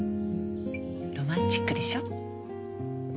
ロマンチックでしょ？